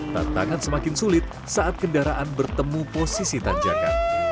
tantangan semakin sulit saat kendaraan bertemu posisi tanjakan